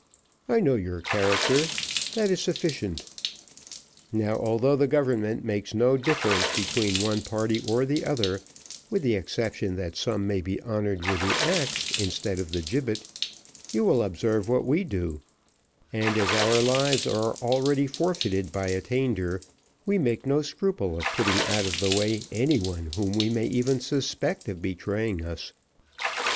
I know your character, that is sufficient. Now, although the government make no difference between one party or the other, with the exception that some may be honoured with the axe instead of the gibbet, you will observe what we do: and as our lives are already forfeited by attainder, we make no scruple of putting out of the way any one whom we may even suspect of betraying us.